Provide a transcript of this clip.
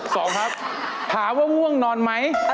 สองครับถามว่าง่วงนอนไหม